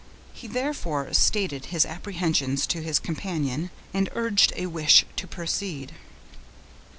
He therefore stated his apprehensions to his companion, and urged a wish to proceed.